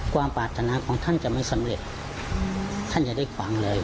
ความปรารถนาของท่านจะไม่สำเร็จท่านจะได้ฟังเลย